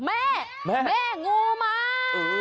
แม่ไงงูมา